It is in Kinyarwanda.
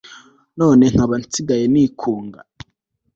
none nkaba nsigaye nikunga